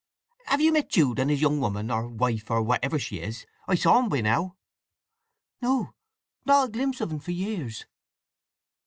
"Have you met Jude and his young woman, or wife, or whatever she is? I saw 'em by now." "No. Not a glimpse of un for years!"